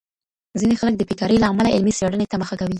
ځیني خلګ د بي کارۍ له امله علمي څېړني ته مخه کوي.